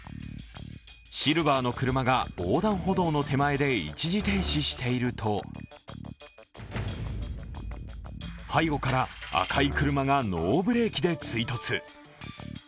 シルバーの車が横断歩道の前で一時停止していると、背後から赤い車がノーブレーキで追突。